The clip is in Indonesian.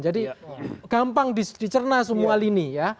jadi gampang dicerna semua lini ya